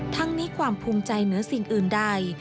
ทั้งนี้ความภูมิใจเหนือสิ่งอื่นใด